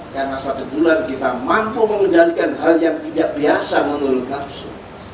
karena satu bulan kita mampu mengendalikan hal yang tidak biasa menurut nafsu